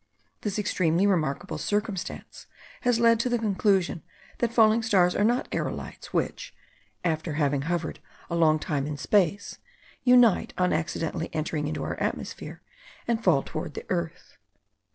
This extremely remarkable circumstance has led to the conclusion, that falling stars are not aerolites which, after having hovered a long time in space, unite on accidentally entering into our atmosphere, and fall towards the earth.